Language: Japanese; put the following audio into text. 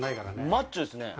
マッチョですね。